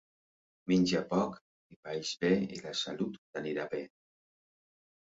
Menja poc i paeix bé i la salut t'anirà bé.